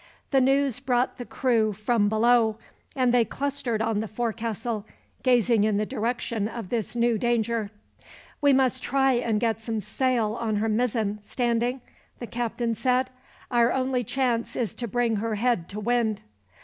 The news brought the crew from below, and they clustered on the forecastle, gazing in the direction of this new danger. "We must try and get some sail on her mizzen, Standing," the captain said. "Our only chance is to bring her head to wind."